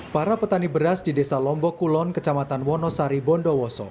para petani beras di desa lombokulon kecamatan wonosari bondowoso